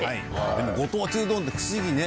でもご当地うどんって不思議ね。